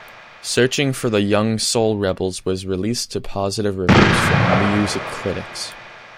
"Searching for the Young Soul Rebels" was released to positive reviews from music critics.